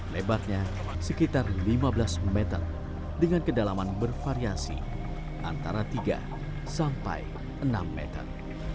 lebarnya sekitar lima belas meter dengan kedalaman bervariasi antara tiga sampai enam meter